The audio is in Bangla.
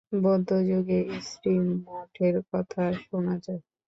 বৌদ্ধযোগেই স্ত্রী-মঠের কথা শুনা যায়।